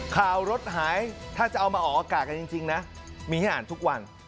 ข่าวรถหายถ้าจะเอามาออกอากาศกันจริงนะมีให้อ่านทุกวัน